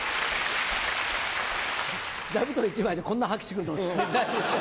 座布団１枚でこんな拍手来るの珍しいですよ。